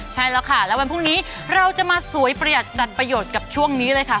ใช่แล้วค่ะแล้ววันพรุ่งนี้เราจะมาสวยประหยัดจัดประโยชน์กับช่วงนี้เลยค่ะ